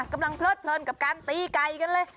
กำลังเพลิดเผลินกับการตีไก่กันเลย